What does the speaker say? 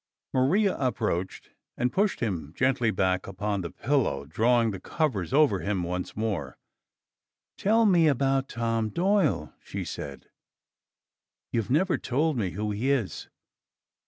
Maria approached and pushed him gently back upon the pillow, drawing the covers over him once more. "Tell me about Tom Doyle," she said. "You've never told me who he is."